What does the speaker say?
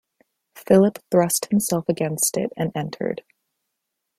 Philip thrust himself against it and entered.